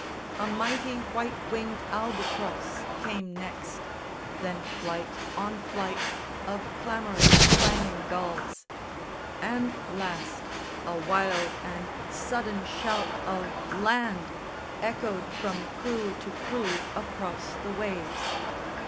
A mighty white winged albatross came next; Then flight on flight of clamorous clanging gulls; And last, a wild and sudden shout of "Land!" Echoed from crew to crew across the waves.